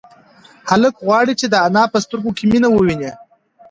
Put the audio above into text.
هلک غواړي چې د انا په سترگو کې مینه وویني.